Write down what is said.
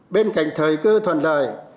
bên cạnh thời cư thuận lợi